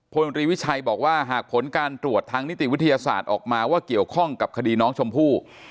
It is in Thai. พลตรีวิชัยบอกว่าหากผลการตรวจทางนิติวิทยาศาสตร์ออกมาว่าเกี่ยวข้องกับคดีน้องชมพู่